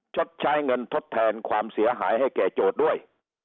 ชดใช้เงินทดแทนความเสียหายให้แก่โจทย์ด้วย